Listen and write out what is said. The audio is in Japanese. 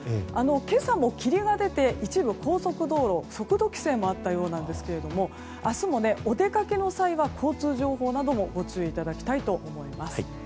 今朝も霧が出て一部、高速道路で速度規制もあったようなんですが明日もお出かけの際は交通情報などにもご注意いただきたいと思います。